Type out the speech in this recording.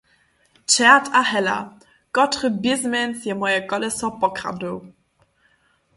Ćert a hela, kotry bězmanc je moje koleso pokradnył?